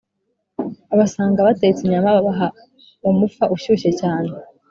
basanga batetse inyama babaha umufa ushyushye cyane